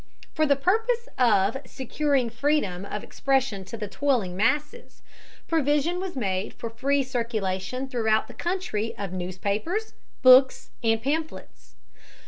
For the purpose of "securing freedom of expression to the toiling masses," provision was made for the free circulation throughout the country of newspapers, books, and pamphlets.